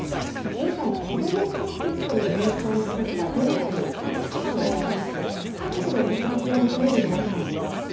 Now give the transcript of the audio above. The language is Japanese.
現在、こどもホスピスという名称の施設は全国に３か所ありまして、各地で設立を求める動きもあります。